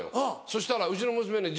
そしたらうちの娘ね